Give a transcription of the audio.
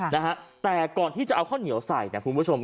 นะฮะแต่ก่อนที่จะเอาข้าวเหนียวใส่นะคุณผู้ชม